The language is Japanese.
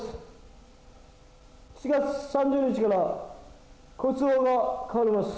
７月３０日から交通法が変わります。